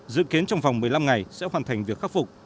dự kiến trong vòng một mươi năm ngày sẽ hoàn thành việc khắc phục